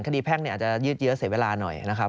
แพ่งอาจจะยืดเยอะเสียเวลาหน่อยนะครับ